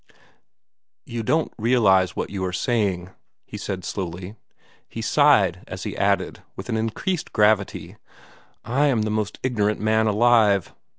"You don't realize what you are saying," he replied slowly. He sighed as he added, with increased gravity, "I am the most ignorant man alive!"